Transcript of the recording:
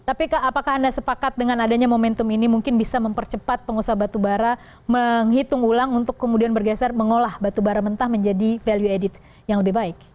tapi apakah anda sepakat dengan adanya momentum ini mungkin bisa mempercepat pengusaha batubara menghitung ulang untuk kemudian bergeser mengolah batubara mentah menjadi value added yang lebih baik